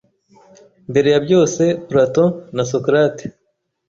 Mbere ya byose Platon na Socrate